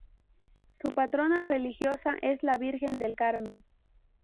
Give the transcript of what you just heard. Su patrona religiosa es la Virgen del Carmen.